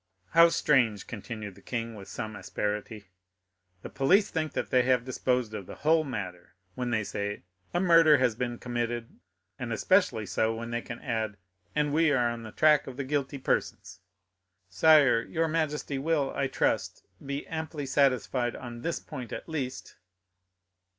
"How strange," continued the king, with some asperity; "the police think that they have disposed of the whole matter when they say, 'A murder has been committed,' and especially so when they can add, 'And we are on the track of the guilty persons.'" "Sire, your majesty will, I trust, be amply satisfied on this point at least."